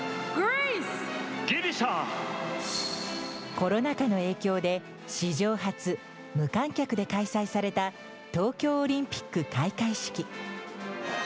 コロナ禍の影響で史上初無観客で開催された東京オリンピック開会式。